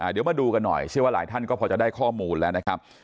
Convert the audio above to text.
เดี๋ยวมาดูกันหน่อยเชื่อว่าหลายท่านก็พอจะได้ข้อมูลแล้วนะครับ